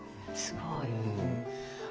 すごい。